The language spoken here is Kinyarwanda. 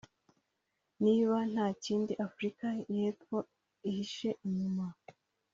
niba nta kindi Afurika y’Epfo ihishe inyuma